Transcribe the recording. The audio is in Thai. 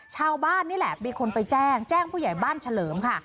ชาวบ้านนี่แหละมีคนไปแจ้งแจ้งผู้ใหญ่บ้านเฉลิมค่ะ